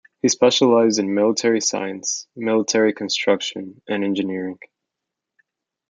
He specialised in military science, military construction, and engineering.